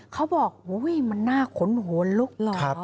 เขาบอกว่ามันน่าขนโหลลูกหลอ